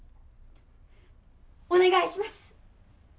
お願いします！